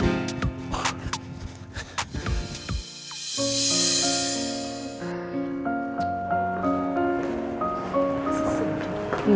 tidak bisa diam